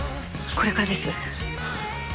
これからです